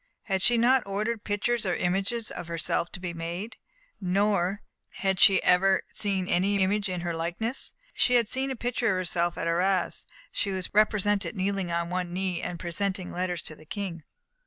Had she not ordered pictures or images of herself to be made? No, nor had she ever seen any image in her likeness. She had seen a picture of herself at Arras. She was represented kneeling on one knee, and presenting letters to the King.